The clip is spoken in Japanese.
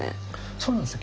そうなんですよ。